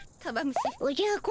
おじゃこ